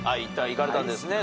行かれたんですね。